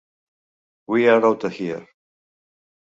"We're Outta Here!"